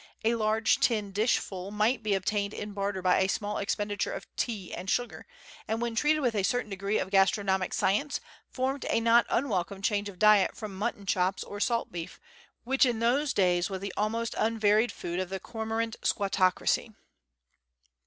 A large tin dishful'might be obtained in barter by a small expenditure of tea and sugar, and when treated with a certain degree of gastronomic science formed a not unwelcome change of diet from mutton chops or salt beef, which in those days was the almost unvaried food of the " cormo rant squattocracy."